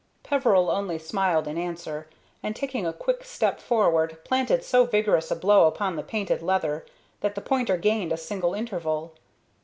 Peveril only smiled in answer, and, taking a quick forward step, planted so vigorous a blow upon the painted leather that the pointer gained a single interval.